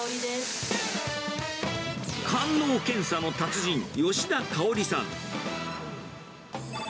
官能検査の達人、吉田馨さん。